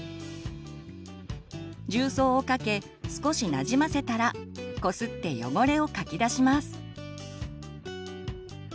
重曹をかけ少しなじませたらこすって汚れをかき出します。